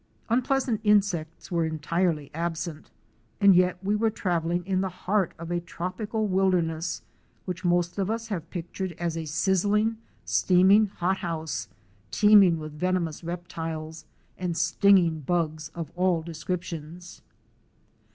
Unpleasant insects were entirely absent, and yet we were travelling in the heart of a tropical wilderness, which most of us have pictured as a sizzling, steaming hot house, teeming with venomous rep tiles and stinging bugs of all descriptions.